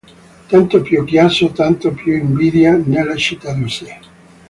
Tanto più chiasso, tanto più invidia nelle cittaduzze.